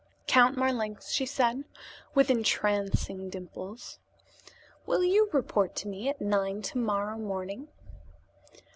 "Count Marlanx," she said, with entrancing dimples, "will you report to me at nine to morrow morning?"